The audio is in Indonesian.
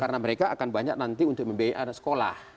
karena mereka akan banyak nanti untuk membayar sekolah